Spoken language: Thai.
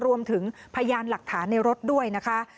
รวมถึงพยานหลักฐานในรถด้วยนะคะ